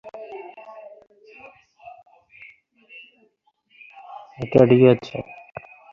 এটা ঠিক আছে।